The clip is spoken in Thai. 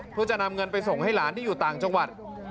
เพื่อจะนำเงินไปส่งให้หลานที่อยู่ต่างจังหวัด